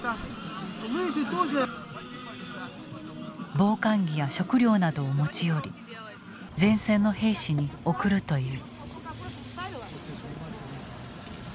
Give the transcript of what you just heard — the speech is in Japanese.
防寒着や食料などを持ち寄り前線の兵士に送るという。